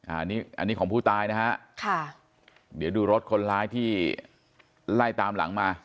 อันนี้อันนี้ของผู้ตายนะฮะค่ะเดี๋ยวดูรถคนร้ายที่ไล่ตามหลังมา